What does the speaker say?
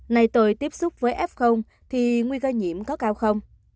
nay tôi tiếp xúc với f thì nguy cơ nhiễm có cao không